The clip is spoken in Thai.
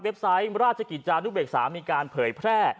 ไซต์ราชกิจจานุเบกษามีการเผยแพร่